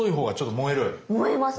燃えます。